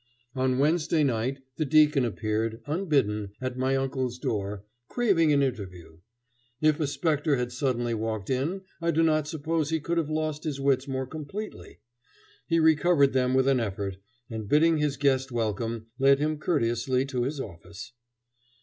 On Wednesday night, the deacon appeared, unbidden, at my uncle's door, craving an interview. If a spectre had suddenly walked in, I do not suppose he could have lost his wits more completely. He recovered them with an effort, and bidding his guest welcome, led him courteously to his office.